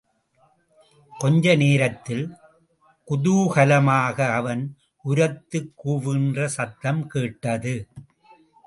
கொஞ்ச நேரத்தில் குதூகலமாக அவன் உரத்துக் கூவுகின்ற சத்தம் கேட்டது.